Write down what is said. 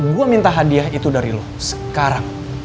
gue minta hadiah itu dari lo sekarang